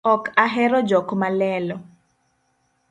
Ok ahero jok malelo